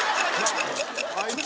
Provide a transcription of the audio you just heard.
あいつ。